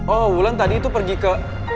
oh wulan tadi itu pergi ke